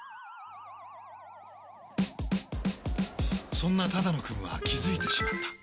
そんな只野くんは気付いてしまった。